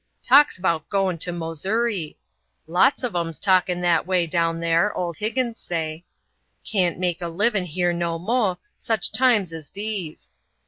Talks 'bout goin' to Mozouri lots uv 'ems talkin' that away down thar, Ole Higgins say. Cain't make a livin' here no mo', sich times as these.